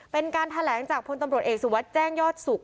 เป็นการแถลงจากพลตำรวจเอกสุวัสดิ์แจ้งยอดสุข